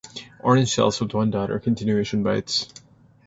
Orange cells with one dot are continuation bytes.